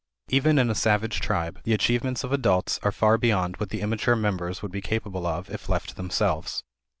Even in a savage tribe, the achievements of adults are far beyond what the immature members would be capable of if left to themselves.